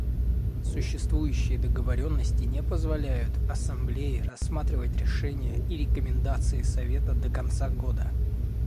Существующие договоренности не позволяют Ассамблее рассматривать решения и рекомендации Совета до конца года.